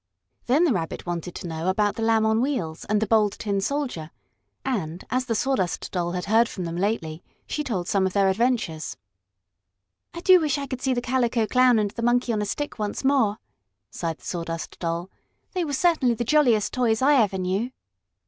Then the Rabbit wanted to know about the Lamb on Wheels and the Bold Tin Soldier, and, as the Sawdust Doll had heard from them lately, she told some of their adventures. "I do wish I could see the Calico Clown and the Monkey on a Stick once more," sighed the Sawdust Doll. "They were certainly the jolliest toys I ever knew."